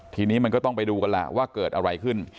ทีนี้มันก็ต้องไปดูกันแล้วว่าเกิดอะไรขึ้น